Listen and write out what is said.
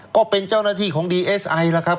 ก็เป็นเจ้าหน้าที่ของดีเอสไอแล้วครับ